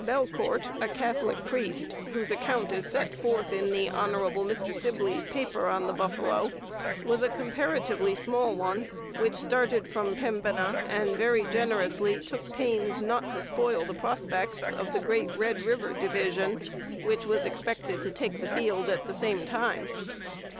Belcourt, a Catholic priest, whose account is set forth in the Hon. Mr. Sibley's paper on the buffalo, was a comparatively small one, which started from Pembina, and very generously took pains not to spoil the prospects of the great Red River division, which was expected to take the field at the same time.